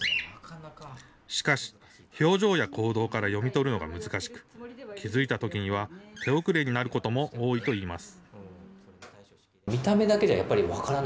しかし、表情や行動から読み取るのが難しく、気付いたときには手遅れになることも多いといいます。